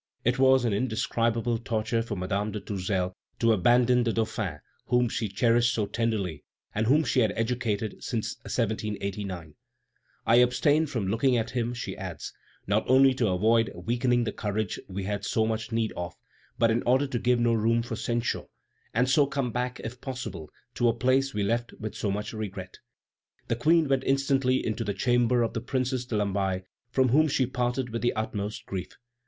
It was an indescribable torture for Madame de Tourzel to abandon the Dauphin, whom she cherished so tenderly, and whom she had educated since 1789. "I abstained from looking at him," she adds, "not only to avoid weakening the courage we had so much need of, but in order to give no room for censure, and so come back, if possible, to a place we left with so much regret. The Queen went instantly into the chamber of the Princess de Lamballe, from whom she parted with the utmost grief.